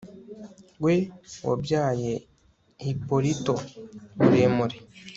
we wabyaye Hippolito muremure